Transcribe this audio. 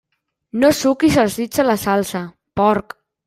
No suquis els dits a la salsa, porc!